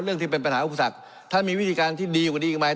ที่เป็นปัญหาอุปสรรคถ้ามีวิธีการที่ดีกว่านี้อีกไหม